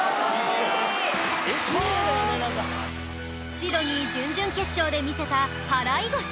シドニー準々決勝で見せた払腰